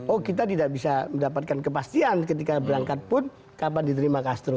oh kita tidak bisa mendapatkan kepastian ketika berangkat pun kapan diterima castro